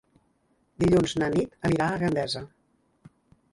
Dilluns na Nit anirà a Gandesa.